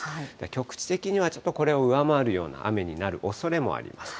局地的には、ちょっとこれを上回るような雨になるおそれもあります。